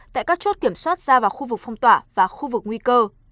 tại các chốt kiểm soát ra vào khu vực phong tỏa và khu vực nguy cơ